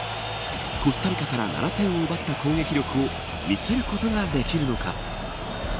コスタリカから７点を奪った攻撃力を見せることができるのか。